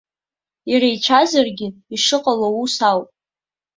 Иреицәазаргьы, ишыҟало ус ауп.